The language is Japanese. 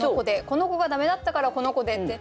この子が駄目だったからこの子でって。